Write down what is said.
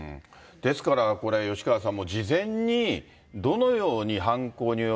ですからこれ、吉川さん